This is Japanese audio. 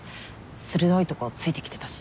鋭いとこ突いてきてたし。